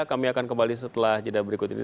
kami akan kembali setelah jeda berikut ini